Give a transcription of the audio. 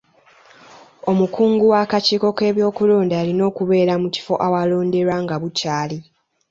Omukungu w'akakiiko ky'ebyokulonda alina okubeera mu kifo awalonderwa nga bukyali.